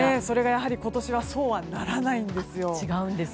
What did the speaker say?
それが、やはり今年はそうはならないんですよ。